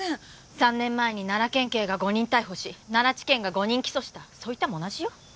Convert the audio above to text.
３年前に奈良県警が誤認逮捕し奈良地検が誤認起訴したそう言ったも同じよ。